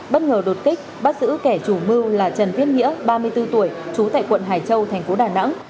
bất ngờ đột kích bắt giữ kẻ chủ mưu là trần viết nghĩa ba mươi bốn tuổi trú tại quận hải châu thành phố đà nẵng